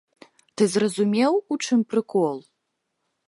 Ты зразумеў, у чым прыкол?